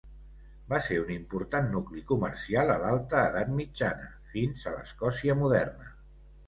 Va ser un important nucli comercial a l'Alta Edat Mitjana fins a l'Escòcia moderna.